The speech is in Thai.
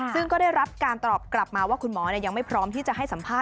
ซึ่งก็ได้รับการตอบกลับมาว่าคุณหมอยังไม่พร้อมที่จะให้สัมภาษ